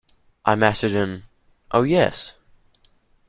I muttered an "Oh, yes?"